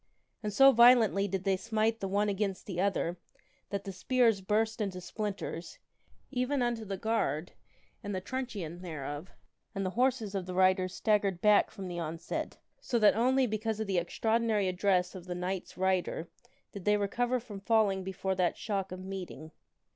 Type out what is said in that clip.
And so violently did they smite the one against Kin Arthur the other that the spears burst into splinters, even unto the contests with the guard and the truncheon thereof, and the horses of the riders Sable Knishtt staggered back from the onset, so that only because of the extraordinary address of the knights rider did they recover from falling before that shock of meeting.